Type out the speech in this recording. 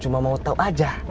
cuma mau tau aja